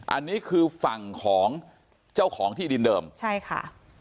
อันนี้คือฝั่งของเจ้าของที่ดินเดิมใช่ค่ะ